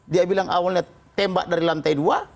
dia bilang awalnya tembak dari lantai dua